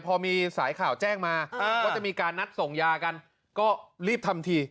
พอมีสายข่าวแจ้งมาว่าจะมีการนัดส่งยากันก็รีบทำที